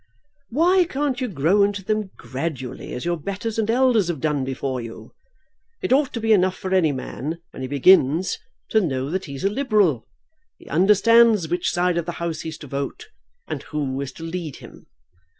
"Why can't you grow into them gradually as your betters and elders have done before you? It ought to be enough for any man, when he begins, to know that he's a Liberal. He understands which side of the House he's to vote, and who is to lead him.